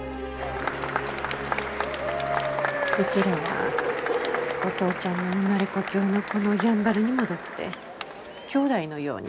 うちらはお父ちゃんの生まれ故郷のこのやんばるに戻ってきょうだいのように暮らし始めた。